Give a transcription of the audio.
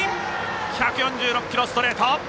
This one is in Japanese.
１４６キロのストレート！